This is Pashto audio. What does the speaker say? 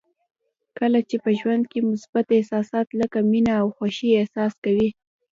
کله چې په ژوند کې مثبت احساسات لکه مینه او خوښي احساس کوئ.